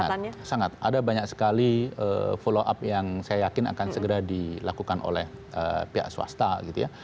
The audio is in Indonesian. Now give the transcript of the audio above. nah sangat ada banyak sekali follow up yang saya yakin akan segera dilakukan oleh pihak swasta gitu ya